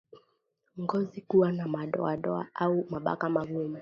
Ngozi kuwa na madoadoa au mabaka magumu